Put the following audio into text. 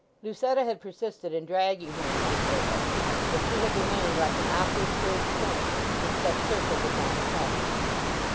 Lucetta had persisted in dragging her into the circle; but she had remained like an awkward third point which that circle would not touch.